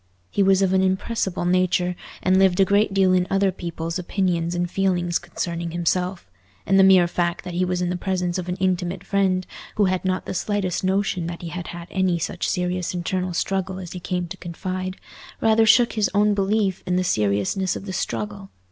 He was of an impressible nature, and lived a great deal in other people's opinions and feelings concerning himself; and the mere fact that he was in the presence of an intimate friend, who had not the slightest notion that he had had any such serious internal struggle as he came to confide, rather shook his own belief in the seriousness of the struggle.